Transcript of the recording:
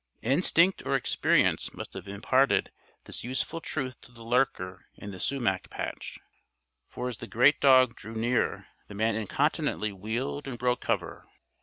Instinct or experience must have imparted this useful truth to the lurker in the sumac patch, for as the great dog drew near the man incontinently wheeled and broke cover.